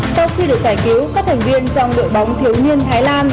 sau khi được giải cứu các thành viên trong đội bóng thiếu niên thái lan